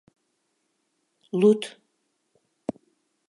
— Луд.